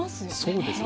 そうですね。